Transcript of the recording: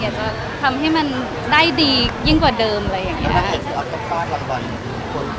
จะทำให้มันได้ดียิ่งกว่าเดิมอะไรอย่างนี้